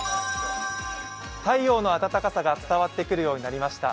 太陽の温かさが伝わってくるようになりました。